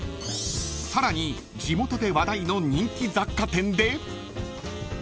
［さらに地元で話題の人気雑貨店で］